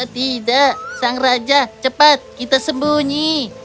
tidak sang raja cepat kita sembunyi